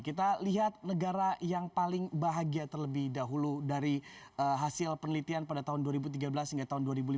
kita lihat negara yang paling bahagia terlebih dahulu dari hasil penelitian pada tahun dua ribu tiga belas hingga tahun dua ribu lima belas